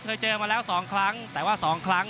เคยเจอมาแล้ว๒ครั้งแต่ว่า๒ครั้ง